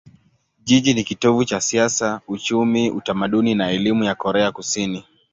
Jiji ni kitovu cha siasa, uchumi, utamaduni na elimu ya Korea Kusini.